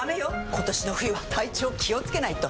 今年の冬は体調気をつけないと！